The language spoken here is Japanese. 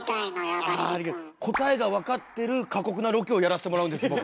答えがわかってる過酷なロケをやらせてもらうんです僕。